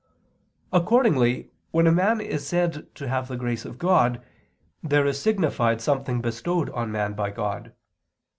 Accordingly when a man is said to have the grace of God, there is signified something bestowed on man by God.